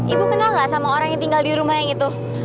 ibu kenal nggak sama orang yang tinggal di rumah yang itu